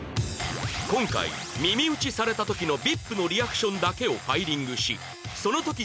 今回耳打ちされた時のＶＩＰのリアクションだけをファイリングしその時伝えられた内容とともに